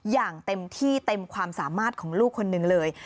อย่างเต็มที่เต็มความสามารถของลูกคนหนึ่งเลย